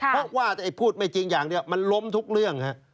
เพราะว่าพูดไม่จริงอย่างเดียวมันล้มทุกเรื่อง